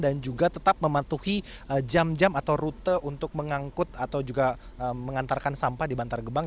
dan juga tetap mematuhi jam jam atau rute untuk mengangkut atau juga mengantarkan sampah di bantar gebang